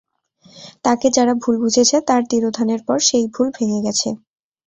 তাঁকে যারা ভুল বুঝেছে তাঁর তিরোধানের পর সেই ভুল ভেঙে গেছে।